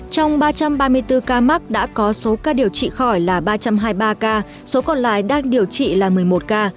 trong ba trăm ba mươi bốn ca mắc đã có số ca điều trị khỏi là ba trăm hai mươi ba ca số còn lại đang điều trị là một mươi một ca